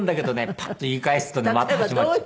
パッと言い返すとねまた始まっちゃう。